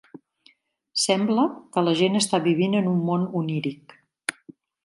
Sembla que la gent està vivint en un món oníric.